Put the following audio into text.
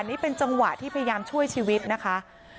นี่เป็นจังหวะที่พยายามช่วยชีวิตนะคะ